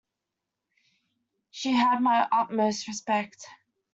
She has my utmost respect.